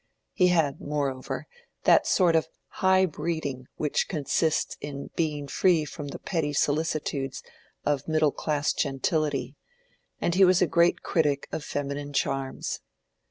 He had, moreover, that sort of high breeding which consists in being free from the petty solicitudes of middle class gentility, and he was a great critic of feminine charms.